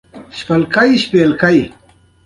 ایا ستاسو دښتې به زرغونې نه وي؟